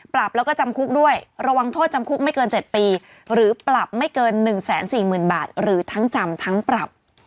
ปรับแล้วก็จำคุกด้วยระวังโทษจำคุกไม่เกิน๗ปีหรือปรับไม่เกิน๑๔๐๐๐บาทหรือทั้งจำทั้งปรับ